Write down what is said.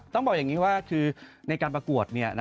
ต้องบอกอย่างนี้ว่าคือในการประกวด